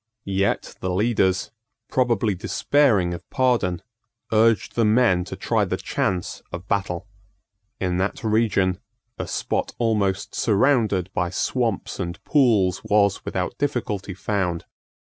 Yet the leaders, probably despairing of pardon, urged the men to try the chance of battle. In that region, a spot almost surrounded by swamps and pools was without difficulty found.